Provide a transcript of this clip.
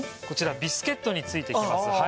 こちらビスケットについてきます